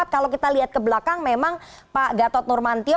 kalau kita lihat ke belakang memang pak gatot nurmantio